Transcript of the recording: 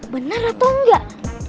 benar atau enggak